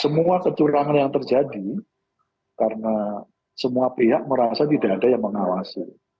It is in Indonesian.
semua kecurangan yang terjadi karena semua pihak merasa tidak ada yang mengawasi